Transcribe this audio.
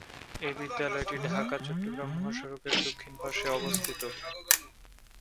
এই বিদ্যালয়টি ঢাকা-চট্টগ্রাম মহাসড়কের দক্ষিণ পাশে অবস্থিত।